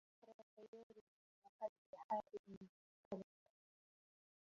مرت ليال وقلبي حائر قلق